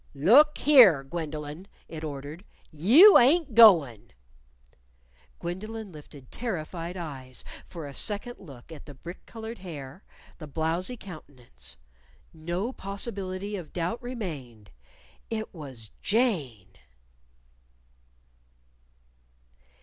"Look here, Gwendolyn!" it ordered. "You ain't goin'!" Gwendolyn lifted terrified eyes for a second look at the brick colored hair, the blowzy countenance. No possibility of doubt remained! It was Jane!